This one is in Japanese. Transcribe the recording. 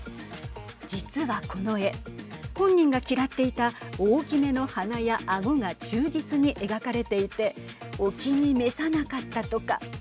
実は、この絵本人が嫌っていた大きめの鼻やあごが忠実に描かれていてお気に召さなかったとか。